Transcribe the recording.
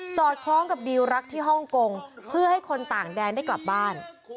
อดคล้องกับดิวรักที่ฮ่องกงเพื่อให้คนต่างแดนได้กลับบ้าน